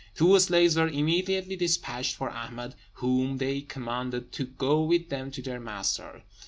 Two slaves were immediately despatched for Ahmed, whom they commanded to go with them to their master.